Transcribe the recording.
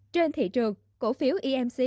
trên thị trường cổ phiếu emc